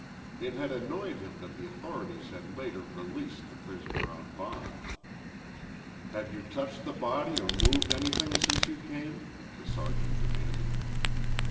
It had annoyed him that the authorities had later released the prisoner on bond. "Have you touched the body or moved anything since you came?" the sergeant demanded.